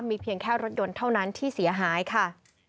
มีเพียงแค่รถยนต์เท่านั้นที่เสียหายค่ะ